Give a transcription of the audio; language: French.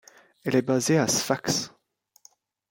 Elle est basée à Sfax.